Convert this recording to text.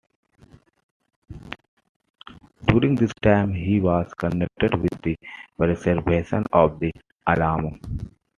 During this time he was connected with the preservation of the Alamo.